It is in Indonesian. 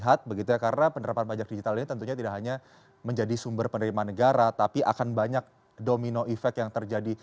yang mungkin nyata terlihat begitu karena penderbatan pajak digital ini tentunya tidak hanya menjadi sumber penerimaan negara tapi akan banyak domino effect yang terjadi